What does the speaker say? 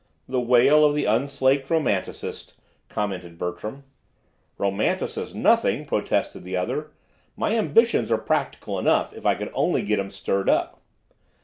"The wail of the unslaked romanticist," commented Bertram. "Romanticist nothing!" protested the other. "My ambitions are practical enough if I could only get 'em stirred up."